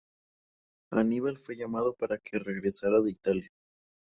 Aníbal fue llamado para que regresara de Italia.